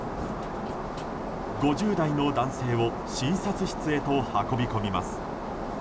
５０代の男性を診察室へと運び込みます。